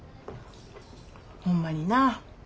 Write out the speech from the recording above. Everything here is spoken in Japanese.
ホンマになぁ。